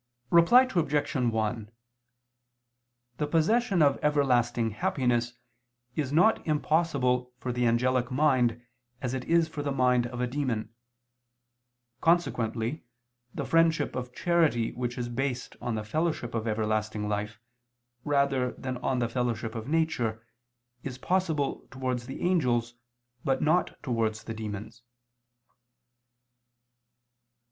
Reply Obj. 1: The possession of everlasting happiness is not impossible for the angelic mind as it is for the mind of a demon; consequently the friendship of charity which is based on the fellowship of everlasting life, rather than on the fellowship of nature, is possible towards the angels, but not towards the demons.